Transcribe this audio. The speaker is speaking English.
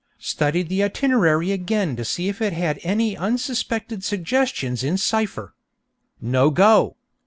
Studied the itinerary again to see if it had any unsuspected suggestions in cipher. No go!